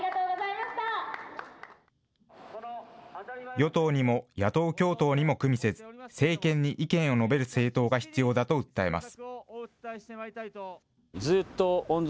与党にも野党共闘にもくみせず、政権に意見を述べる政党が必要だと訴えます。